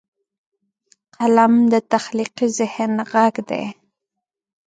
قلم د تخلیقي ذهن غږ دی